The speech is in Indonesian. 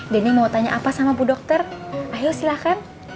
denny mau tanya apa sama bu dokter ayo silahkan